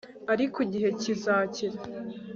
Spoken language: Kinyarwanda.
ariko igihe kizakira